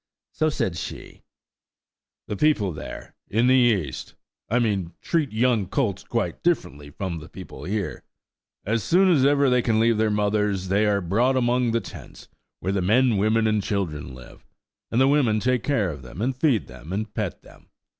So said she– "The people there–in the East, I mean–treat young colts quite differently from the people here. As soon as ever they can leave their mothers, they are brought among the tents, where the men, women, and children live, and the women take care of them, and feed them, and pet them.